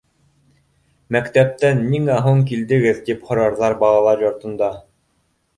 Мәктәптән ниңә һуң килдегеҙ, тип һорарҙар балалар йортонда.